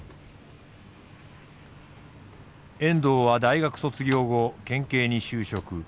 遠藤は大学卒業後県警に就職。